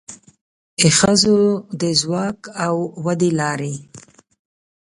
د ښځو د ځواک او ودې لارې